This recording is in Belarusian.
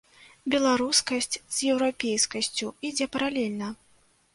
Беларускасць з еўрапейскасцю ідзе паралельна.